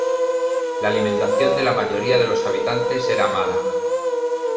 La alimentación de la mayoría de los habitantes era mala.